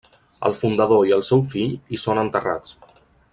El fundador i el seu fill hi són enterrats.